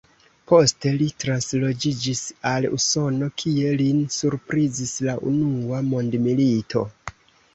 Poste li transloĝiĝis al Usono, kie lin surprizis la unua mondmilito.